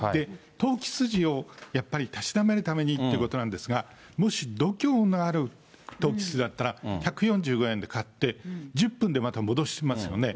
投機筋をやっぱりたしなめるためにということなんですが、もし度胸のある投機筋だったら１４５円で買って、１０分でまた戻しますよね。